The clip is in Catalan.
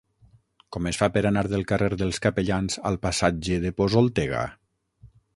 Com es fa per anar del carrer dels Capellans al passatge de Posoltega?